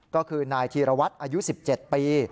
ก็คือนายธีรวัตรอายุ๑๗ปี